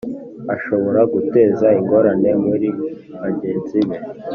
Ashobora guteza ingorane muri bagenzi be